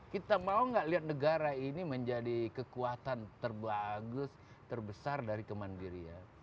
kita mau gak lihat negara ini menjadi kekuatan terbagus terbesar dari kemandirian